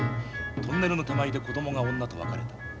トンネルの手前で子供が女と別れた。